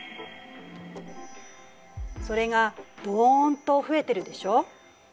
それがドンと増えてるでしょ。